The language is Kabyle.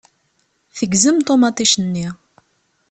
Tegzem ṭumaṭic-nni.